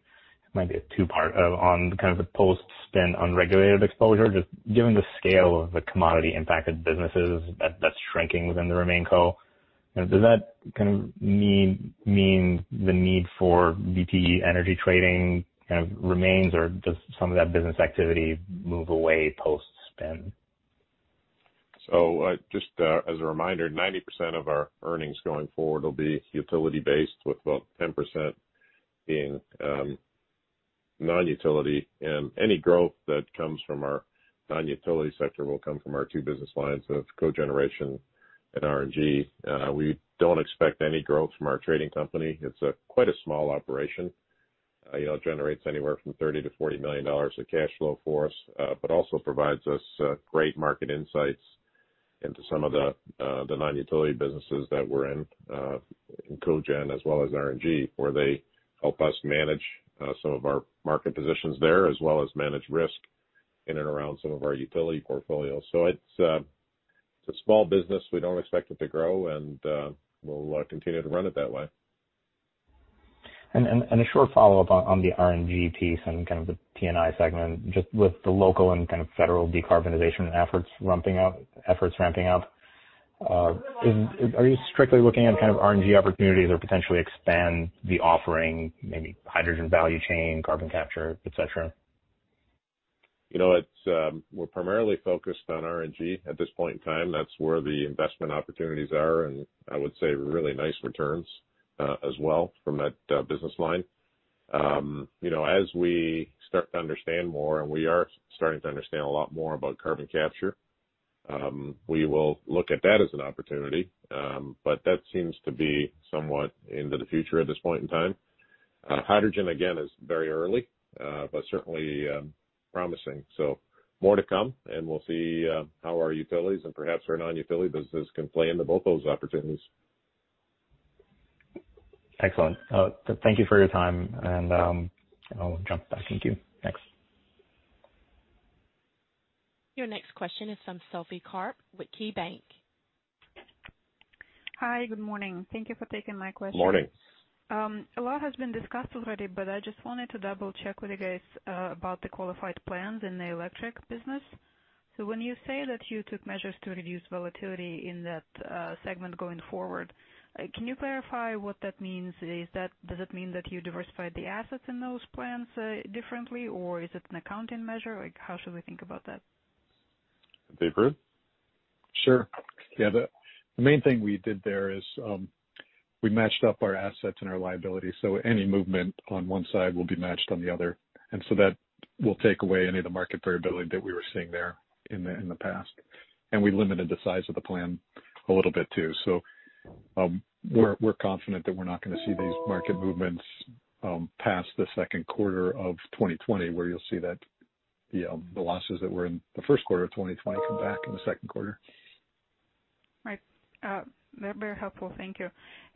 might be a two-part, on kind of the post-spin unregulated exposure, just given the scale of the commodity impacted businesses that's shrinking within the RemainCo. Does that mean the need for DTE Energy trading remains, or does some of that business activity move away post-spin? Just as a reminder, 90% of our earnings going forward will be utility-based, with about 10% being non-utility. Any growth that comes from our non-utility sector will come from our two business lines of cogeneration and RNG. We don't expect any growth from our trading company. It's quite a small operation. Generates anywhere from $30 million-$40 million of cash flow for us, but also provides us great market insights into some of the non-utility businesses that we're in cogen as well as RNG, where they help us manage some of our market positions there, as well as manage risk in and around some of our utility portfolios. It's a small business. We don't expect it to grow, and we'll continue to run it that way. A short follow-up on the RNG piece and kind of the P&I segment, just with the local and kind of federal decarbonization efforts ramping up, are you strictly looking at kind of RNG opportunities or potentially expand the offering, maybe hydrogen value chain, carbon capture, et cetera? We're primarily focused on RNG at this point in time. That's where the investment opportunities are, and I would say really nice returns, as well from that business line. As we start to understand more, and we are starting to understand a lot more about carbon capture, we will look at that as an opportunity. That seems to be somewhat into the future at this point in time. Hydrogen, again, is very early, but certainly promising. More to come, and we'll see how our utilities and perhaps our non-utility business can play into both those opportunities. Excellent. Thank you for your time. I'll jump back in queue. Thanks. Your next question is from Sophie Karp with KeyBanc. Hi, good morning. Thank you for taking my question. Morning. A lot has been discussed already. I just wanted to double-check with you guys about the qualified plans in the electric business. When you say that you took measures to reduce volatility in that segment going forward, can you clarify what that means? Does it mean that you diversified the assets in those plans differently, or is it an accounting measure? How should we think about that? Dave Ruud? Sure. Yeah. The main thing we did there is we matched up our assets and our liabilities, so any movement on one side will be matched on the other. That will take away any of the market variability that we were seeing there in the past. We limited the size of the plan a little bit too. We're confident that we're not going to see these market movements past the second quarter of 2020, where you'll see the losses that were in the first quarter of 2020 come back in the second quarter. Right. Very helpful. Thank you.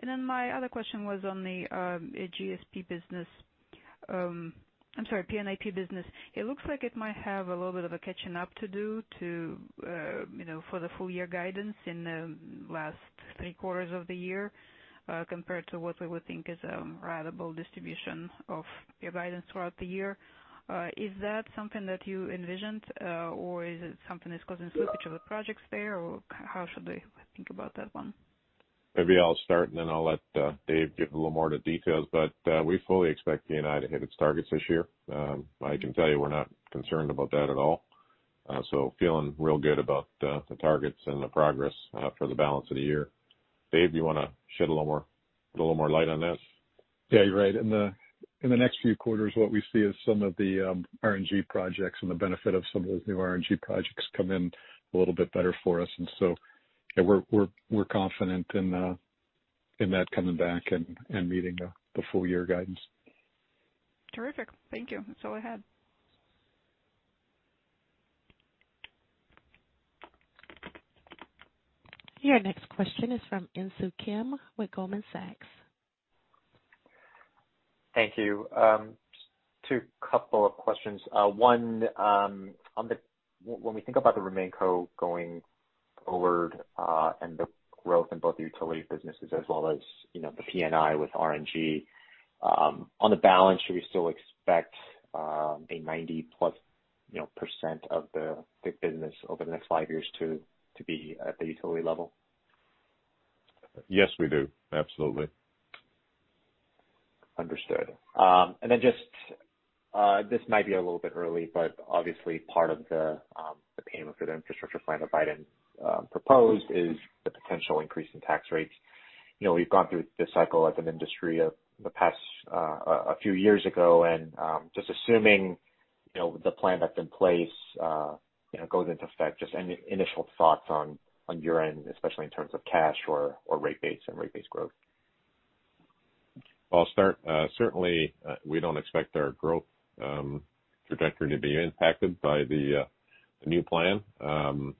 My other question was on the GS&P business. I'm sorry, P&I business. It looks like it might have a little bit of a catching up to do for the full year guidance in the last three quarters of the year, compared to what we would think is a ratable distribution of your guidance throughout the year. Is that something that you envisioned or is it something that's causing slippage of the projects there, or how should we think about that one? Maybe I'll start and then I'll let Dave give a little more of the details. We fully expect P&I to hit its targets this year. I can tell you we're not concerned about that at all. Feeling real good about the targets and the progress for the balance of the year. Dave, you want to shed a little more light on this? Yeah, you're right. In the next few quarters, what we see is some of the RNG projects and the benefit of some of those new RNG projects come in a little bit better for us. We're confident in that coming back and meeting the full year guidance. Terrific. Thank you. That's all I had. Your next question is from Insoo Kim with Goldman Sachs. Thank you. Two couple of questions. One, when we think about the RemainCo going forward and the growth in both the utility businesses as well as the P&I with RNG, on the balance, should we still expect a 90%+ of the business over the next five years to be at the utility level? Yes, we do. Absolutely. Understood. This might be a little bit early, but obviously part of the payment for the infrastructure plan that Biden proposed is the potential increase in tax rates. We've gone through this cycle as an industry a few years ago, and just assuming the plan that's in place goes into effect, just any initial thoughts on your end, especially in terms of cash or rate base and rate base growth? I'll start. Certainly, we don't expect our growth trajectory to be impacted by the new plan.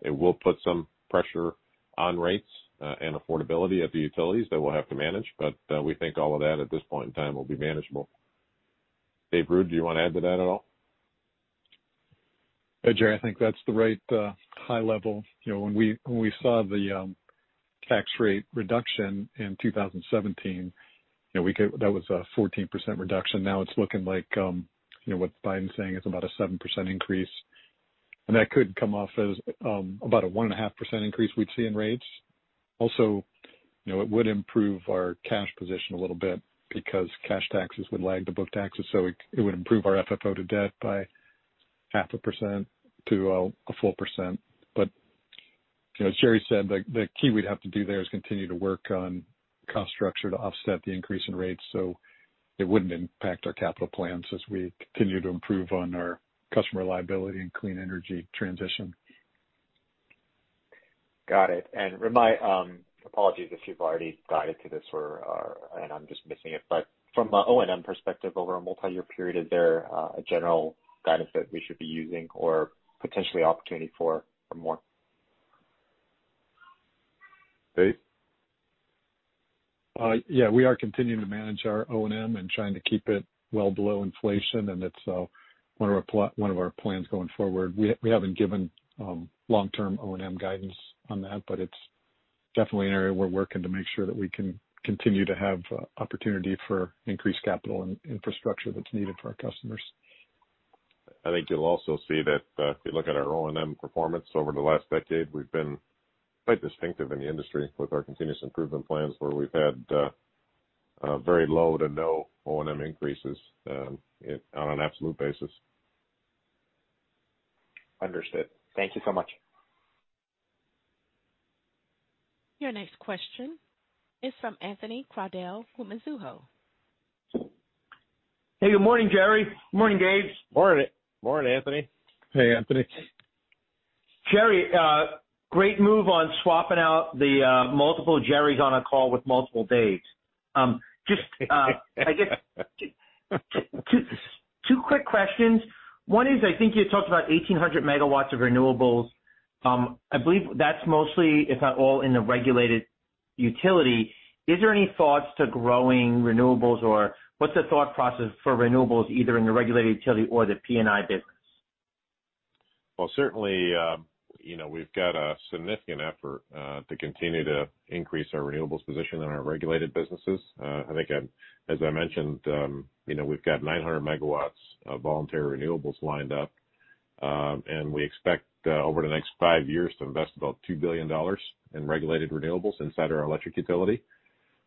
It will put some pressure on rates and affordability at the utilities that we'll have to manage, but we think all of that at this point in time will be manageable. Dave Ruud, do you want to add to that at all? Jerry, I think that's the right high level. When we saw the tax rate reduction in 2017, that was a 14% reduction. Now it's looking like what Biden's saying, it's about a 7% increase. That could come off as about a 1.5% increase we'd see in rates. Also, it would improve our cash position a little bit because cash taxes would lag the book taxes, so it would improve our FFO to debt by 0.5% to a 1%. As Jerry said, the key we'd have to do there is continue to work on cost structure to offset the increase in rates, so it wouldn't impact our capital plans as we continue to improve on our customer liability and clean energy transition. Got it. My apologies if you've already guided to this and I'm just missing it, but from a O&M perspective over a multi-year period, is there a general guidance that we should be using or potentially opportunity for more? Dave? Yeah. We are continuing to manage our O&M and trying to keep it well below inflation and it's one of our plans going forward. We haven't given long-term O&M guidance on that, but it's definitely an area we're working to make sure that we can continue to have opportunity for increased capital and infrastructure that's needed for our customers. I think you'll also see that if you look at our O&M performance over the last decade, we've been quite distinctive in the industry with our continuous improvement plans where we've had very low to no O&M increases on an absolute basis. Understood. Thank you so much. Your next question is from Anthony Crowdell with Mizuho. Hey, good morning, Jerry. Morning, Dave. Morning, Anthony. Hey, Anthony. Jerry, great move on swapping out the multiple Jerrys on a call with multiple Daves. I guess two quick questions. One is, I think you talked about 1,800 MW of renewables. I believe that's mostly, if not all, in the regulated utility. Is there any thoughts to growing renewables or what's the thought process for renewables either in the regulated utility or the P&I business? Well, certainly, we've got a significant effort to continue to increase our renewables position in our regulated businesses. I think as I mentioned, we've got 900 MW of voluntary renewables lined up. We expect over the next five years to invest about $2 billion in regulated renewables inside our electric utility.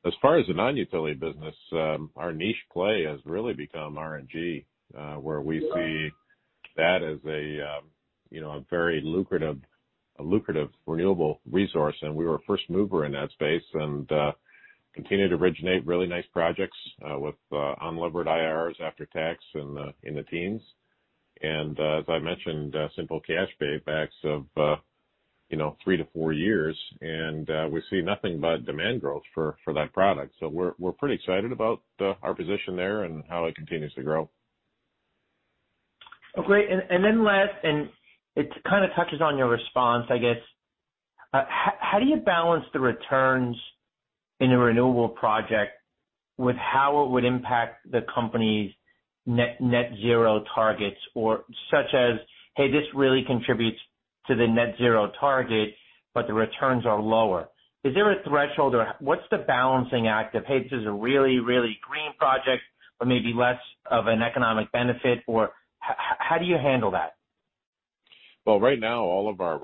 As far as the non-utility business, our niche play has really become RNG, where we see that as a very lucrative renewable resource. We were a first mover in that space and continue to originate really nice projects with unlevered IRRs after tax in the teens. As I mentioned, simple cash paybacks of three to four years. We see nothing but demand growth for that product. We're pretty excited about our position there and how it continues to grow. Oh, great. Last, it kind of touches on your response, I guess. How do you balance the returns in a renewable project with how it would impact the company's net zero targets? Such as, hey, this really contributes to the net zero target, the returns are lower. Is there a threshold, what's the balancing act of, hey, this is a really green project, maybe less of an economic benefit, how do you handle that? Right now, all of our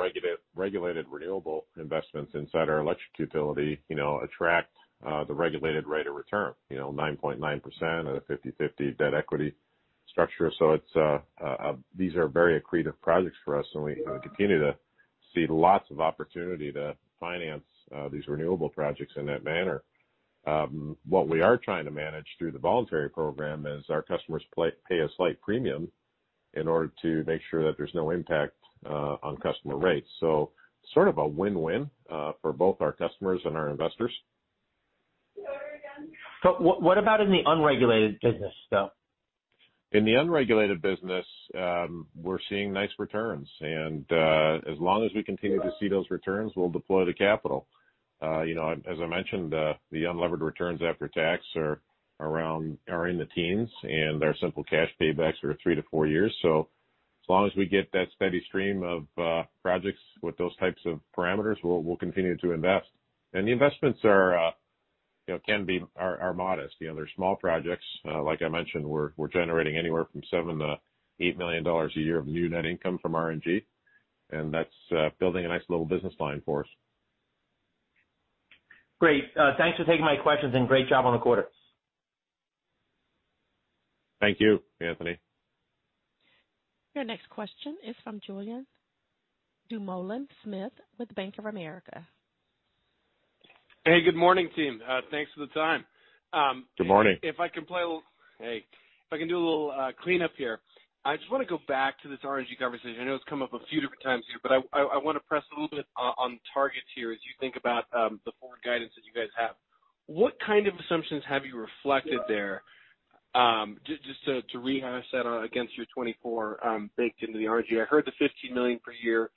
regulated renewable investments inside our electric utility attract the regulated rate of return. 9.9% at a 50/50 debt equity structure. These are very accretive projects for us, and we continue to see lots of opportunity to finance these renewable projects in that manner. What we are trying to manage through the voluntary program is our customers pay a slight premium in order to make sure that there's no impact on customer rates. Sort of a win-win for both our customers and our investors. What about in the unregulated business, though? In the unregulated business, we're seeing nice returns, and as long as we continue to see those returns, we'll deploy the capital. As I mentioned, the unlevered returns after tax are in the teens, and our simple cash paybacks are three to four years. As long as we get that steady stream of projects with those types of parameters, we'll continue to invest. The investments are modest. They're small projects. Like I mentioned, we're generating anywhere from $7 million-$8 million a year of new net income from RNG, and that's building a nice little business line for us. Great. Thanks for taking my questions and great job on the quarter. Thank you, Anthony. Your next question is from Julien Dumoulin-Smith with Bank of America. Hey, good morning, team. Thanks for the time. Good morning. Hey. If I can do a little cleanup here. I just want to go back to this RNG conversation. I know it's come up a few different times here, but I want to press a little bit on targets here as you think about the forward guidance that you guys have. What kind of assumptions have you reflected there? Just to rehash that against your 2024 baked into the RNG. I heard the $15 million per year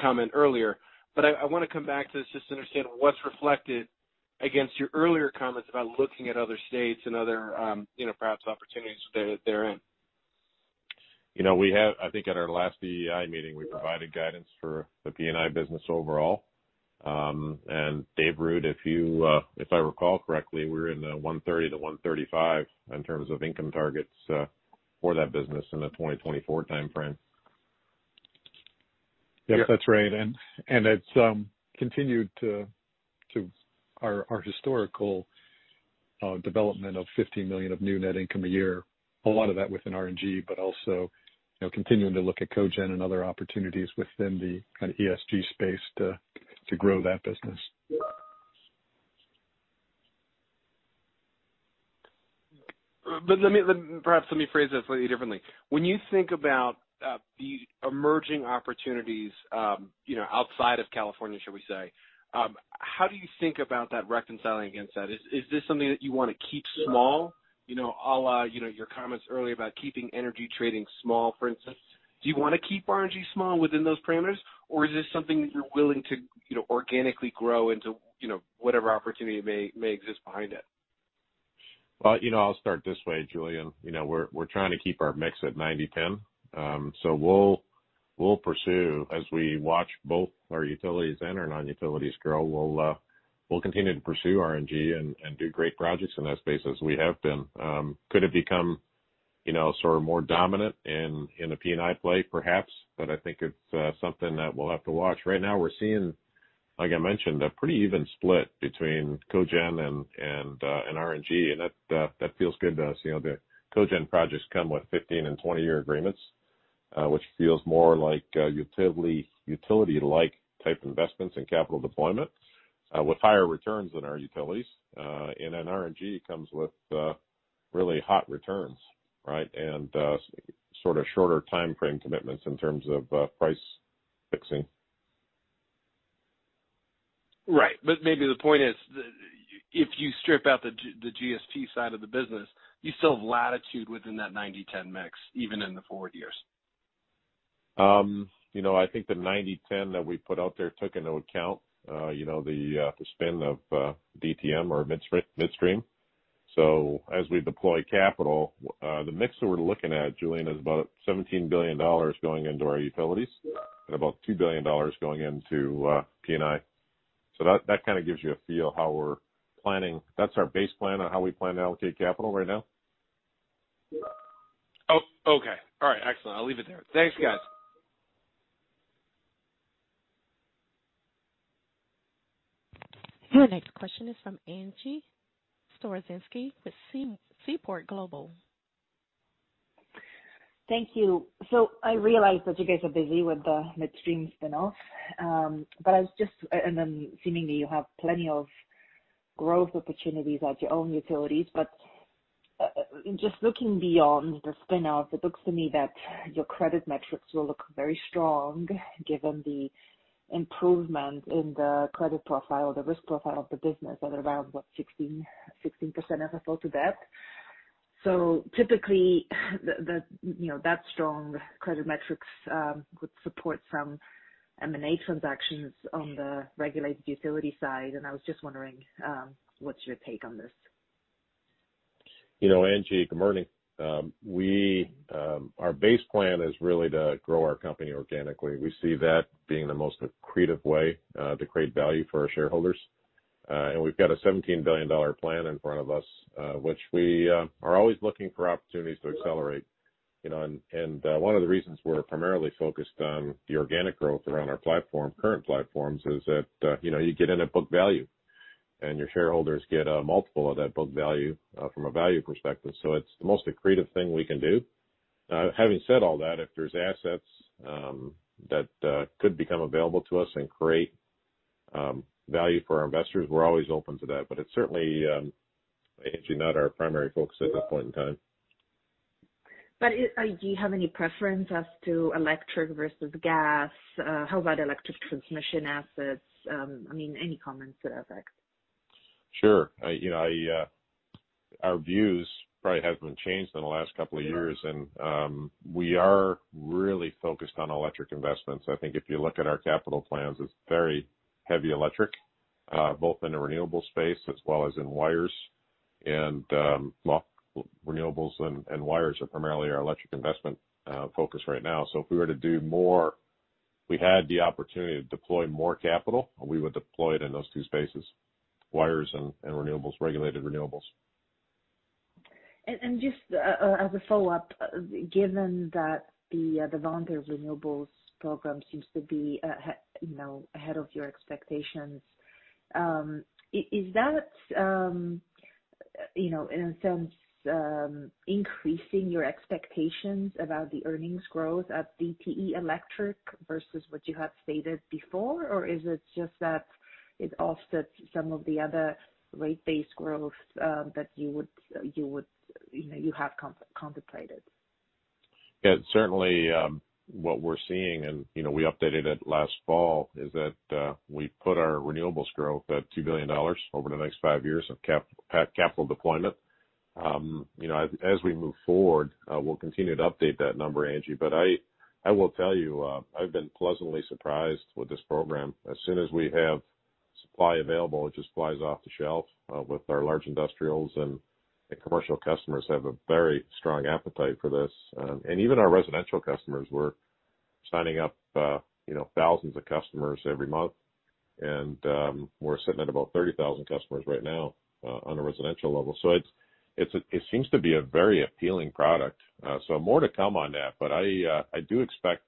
comment earlier, but I want to come back to this just to understand what's reflected against your earlier comments about looking at other states and other perhaps opportunities therein. I think at our last EEI meeting, we provided guidance for the P&I business overall. Dave Ruud, if I recall correctly, we were in the $130-$135 in terms of income targets for that business in the 2024 timeframe. Yes, that's right. It's continued to our historical development of $15 million of new net income a year. A lot of that within RNG, but also continuing to look at cogen and other opportunities within the kind of ESG space to grow that business. Perhaps let me phrase this slightly differently. When you think about the emerging opportunities outside of California, shall we say, how do you think about that reconciling against that? Is this something that you want to keep small? Your comments earlier about keeping energy trading small, for instance. Do you want to keep RNG small within those parameters? Is this something that you're willing to organically grow into whatever opportunity may exist behind it? I'll start this way, Julien. We're trying to keep our mix at 90/10. We'll pursue as we watch both our utilities and our non-utilities grow, we'll continue to pursue RNG and do great projects in that space as we have been. Could it become sort of more dominant in the P&I play? Perhaps, I think it's something that we'll have to watch. Right now we're seeing, like I mentioned, a pretty even split between cogen and RNG, and that feels good to us. The cogen projects come with 15 and 20 year agreements, which feels more like utility-like type investments and capital deployment with higher returns than our utilities. RNG comes with really hot returns, right? Sort of shorter timeframe commitments in terms of price fixing. Right. Maybe the point is if you strip out the GS&P side of the business, you still have latitude within that 90/10 mix, even in the forward years. I think the 90/10 that we put out there took into account the spin of DTM or midstream. As we deploy capital, the mix that we're looking at, Julien, is about $17 billion going into our utilities and about $2 billion going into P&I. That kind of gives you a feel how we're planning. That's our base plan on how we plan to allocate capital right now. Okay. All right. Excellent. I'll leave it there. Thanks, guys. Your next question is from Angie Storozynski with Seaport Global. Thank you. I realize that you guys are busy with the Midstream spin-off, seemingly you have plenty of growth opportunities at your own utilities. Just looking beyond the spin-off, it looks to me that your credit metrics will look very strong given the improvement in the credit profile, the risk profile of the business at around, what, 16% FFO to debt. Typically, that strong credit metrics would support some M&A transactions on the regulated utility side, and I was just wondering, what's your take on this? Angie, good morning. Our base plan is really to grow our company organically. We see that being the most accretive way to create value for our shareholders. We've got a $17 billion plan in front of us, which we are always looking for opportunities to accelerate. One of the reasons we're primarily focused on the organic growth around our current platforms is that you get in at book value, and your shareholders get a multiple of that book value from a value perspective. It's the most accretive thing we can do. Having said all that, if there's assets that could become available to us and create value for our investors, we're always open to that, it's certainly, Angie, not our primary focus at this point in time. Do you have any preference as to electric versus gas? How about electric transmission assets? Any comments to that effect? Sure. Our views probably haven't been changed in the last couple of years. We are really focused on electric investments. I think if you look at our capital plans, it's very heavy electric, both in the renewable space as well as in wires. Renewables and wires are primarily our electric investment focus right now. If we were to do more, we had the opportunity to deploy more capital, and we would deploy it in those two spaces, wires and renewables, regulated renewables. Just as a follow-up, given that the voluntary renewables program seems to be ahead of your expectations, is that in a sense, increasing your expectations about the earnings growth of DTE Electric versus what you had stated before? Or is it just that it offsets some of the other rate-based growth that you have contemplated? Yeah, certainly, what we're seeing, and we updated it last fall, is that we put our renewables growth at $2 billion over the next five years of capital deployment. As we move forward, we'll continue to update that number, Angie. I will tell you, I've been pleasantly surprised with this program. As soon as we have supply available, it just flies off the shelf with our large industrials, and commercial customers have a very strong appetite for this. Even our residential customers, we're signing up thousands of customers every month, and we're sitting at about 30,000 customers right now on a residential level. It seems to be a very appealing product. More to come on that. I do expect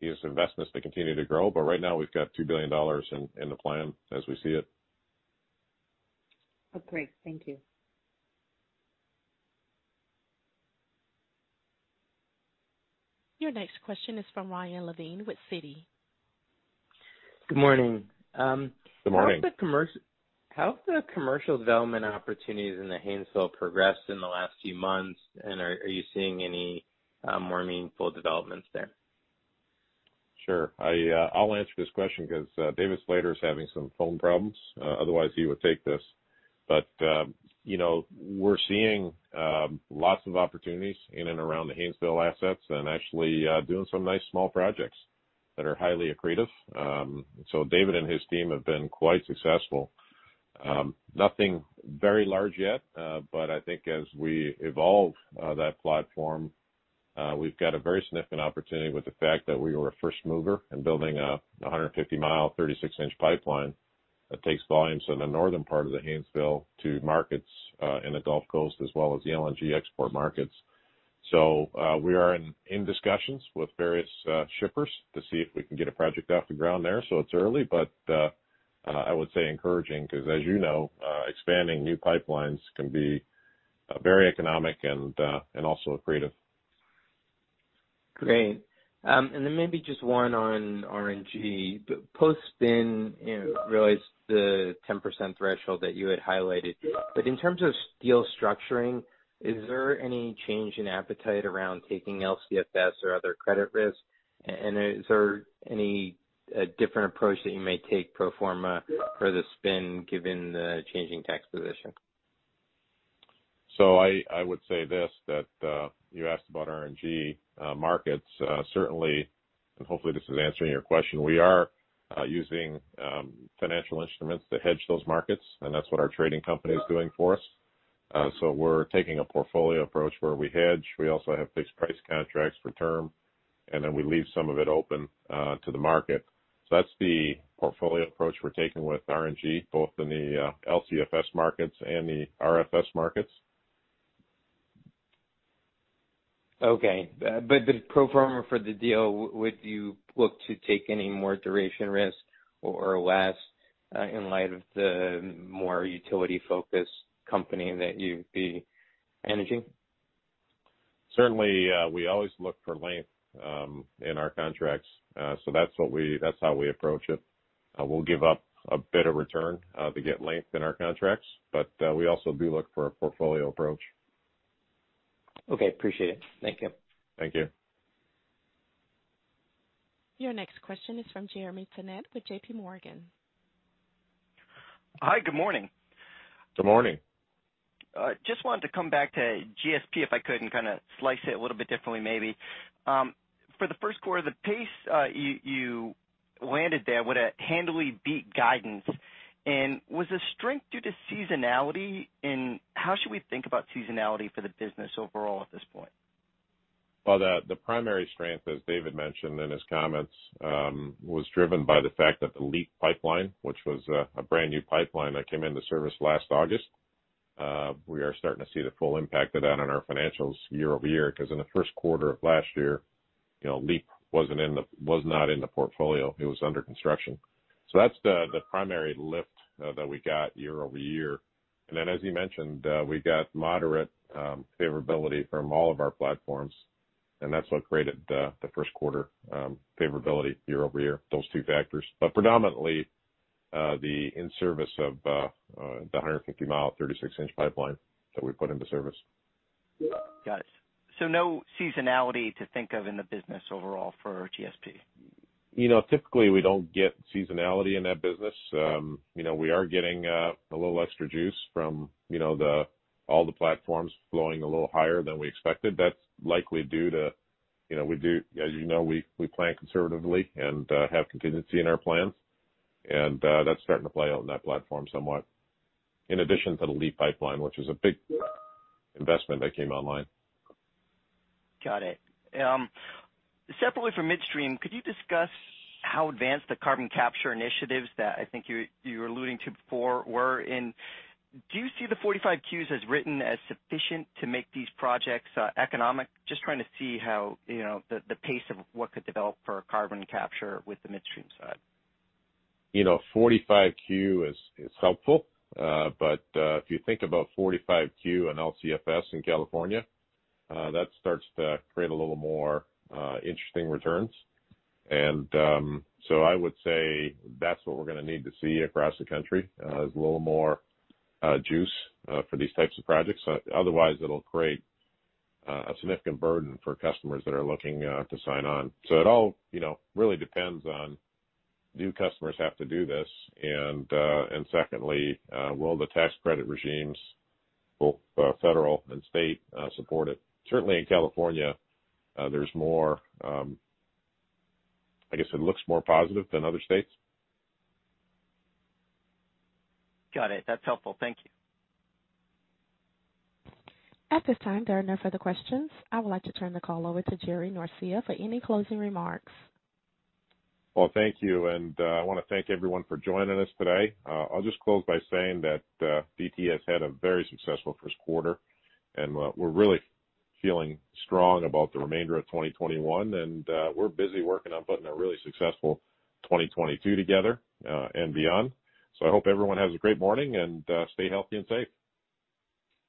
these investments to continue to grow. Right now, we've got $2 billion in the plan as we see it. Oh, great. Thank you. Your next question is from Ryan Levine with Citi. Good morning. Good morning. How have the commercial development opportunities in the Haynesville progressed in the last few months, and are you seeing any more meaningful developments there? Sure. I'll answer this question because David Slater is having some phone problems, otherwise he would take this. We're seeing lots of opportunities in and around the Haynesville assets and actually doing some nice small projects that are highly accretive. David and his team have been quite successful. Nothing very large yet. I think as we evolve that platform, we've got a very significant opportunity with the fact that we were a first mover in building a 150 mi, 36 inch pipeline that takes volumes in the northern part of the Haynesville to markets in the Gulf Coast as well as the LNG export markets. We are in discussions with various shippers to see if we can get a project off the ground there. It's early. I would say encouraging, because as you know expanding new pipelines can be very economic and also accretive. Great. Maybe just one on RNG. Post spin, realized the 10% threshold that you had highlighted. In terms of deal structuring, is there any change in appetite around taking LCFS or other credit risks? Is there any different approach that you may take pro forma for the spin given the changing tax position? I would say this, that you asked about RNG markets. Certainly, and hopefully this is answering your question, we are using financial instruments to hedge those markets, and that's what our trading company is doing for us. We're taking a portfolio approach where we hedge. We also have fixed price contracts for term, and then we leave some of it open to the market. That's the portfolio approach we're taking with RNG, both in the LCFS markets and the RFS markets. Okay. The pro forma for the deal, would you look to take any more duration risk or less in light of the more utility-focused company that you'd be managing? Certainly, we always look for length in our contracts. That's how we approach it. We'll give up a bit of return to get length in our contracts. We also do look for a portfolio approach. Okay, appreciate it. Thank you. Thank you. Your next question is from Jeremy Tonet with JPMorgan. Hi, good morning. Good morning. Just wanted to come back to GS&P, if I could, and kind of slice it a little bit differently maybe. For the first quarter, the pace you landed there with a handily beat guidance. Was the strength due to seasonality? How should we think about seasonality for the business overall at this point? The primary strength, as Dave mentioned in his comments, was driven by the fact that the LEAP pipeline, which was a brand-new pipeline that came into service last August, we are starting to see the full impact of that on our financials year-over-year, because in the first quarter of last year, LEAP was not in the portfolio. It was under construction. That's the primary lift that we got year-over-year. As he mentioned, we got moderate favorability from all of our platforms, and that's what created the first quarter favorability year-over-year, those two factors. Predominantly, the in-service of the 150 mile, 36 inch pipeline that we put into service. Got it. No seasonality to think of in the business overall for GS&P? Typically, we don't get seasonality in that business. We are getting a little extra juice from all the platforms flowing a little higher than we expected. That's likely due to, as you know, we plan conservatively and have contingency in our plans. That's starting to play out in that platform somewhat, in addition to the LEAP pipeline, which was a big investment that came online. Got it. Separately from midstream, could you discuss how advanced the carbon capture initiatives that I think you were alluding to before were? Do you see the 45Qs as written as sufficient to make these projects economic? Just trying to see how the pace of what could develop for carbon capture with the midstream side. 45Q is helpful. If you think about 45Q and LCFS in California, that starts to create a little more interesting returns. I would say that's what we're going to need to see across the U.S., is a little more juice for these types of projects. Otherwise, it'll create a significant burden for customers that are looking to sign on. It all really depends on do customers have to do this? Secondly, will the tax credit regimes, both federal and state, support it? Certainly in California, I guess it looks more positive than other states. Got it. That's helpful. Thank you. At this time, there are no further questions. I would like to turn the call over to Jerry Norcia for any closing remarks. Well, thank you. I want to thank everyone for joining us today. I'll just close by saying that DTE has had a very successful first quarter, and we're really feeling strong about the remainder of 2021. We're busy working on putting a really successful 2022 together and beyond. I hope everyone has a great morning, and stay healthy and safe.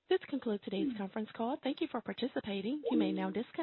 This concludes today's conference call. Thank you for participating. You may now disconnect.